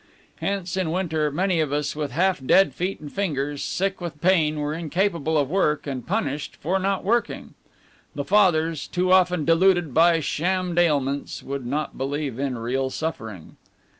Hence, in winter, many of us, with half dead feet and fingers, sick with pain, were incapable of work, and punished for not working. The Fathers, too often deluded by shammed ailments, would not believe in real suffering.